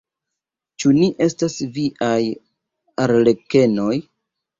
Ĉu ni estas viaj arlekenoj?